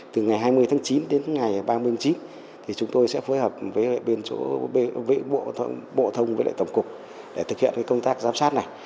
từ ngày hai mươi tháng chín đến ngày ba mươi tháng chín chúng tôi sẽ phối hợp với bộ thông và tổng cục để thực hiện công tác giám sát này